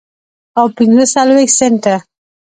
او پنځه څلوېښت سنټه